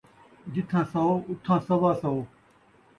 جتھاں سو، اتھاں سوا سو